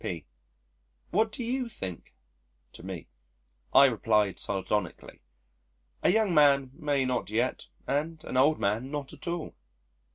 P.: "What do you think?" (to me). I replied sardonically, "A young man may not yet and an old man not at all."